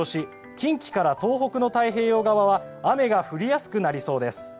近畿から東北の太平洋側は雨が降りやすくなりそうです。